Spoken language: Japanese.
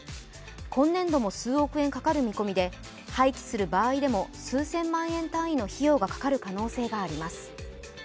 今年度も数億円かかる見込みで、廃棄する場合でも数千万円単位の必要がかかる可能性があります。